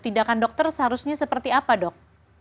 tindakan dokter seharusnya seperti apa dok